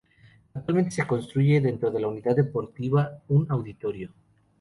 Actualmente se construye dentro de la unidad deportiva un auditorio.